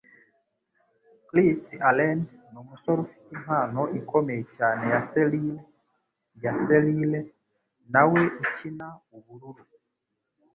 Chris Allan numusore ufite impano ikomeye cyane ya selile ya selile nawe ukina ubururu.